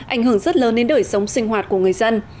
ảnh hưởng rất lớn đến đời sống sinh hoạt của người dân